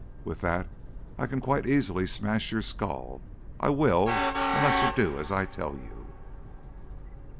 "With that I can quite easily smash your skull. I will unless you do as I tell you."